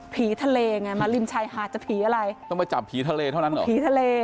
ทะเลไงมาริมชายหาดจะผีอะไรต้องมาจับผีทะเลเท่านั้นเหรอผีทะเล